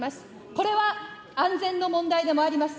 これは安全の問題でもあります。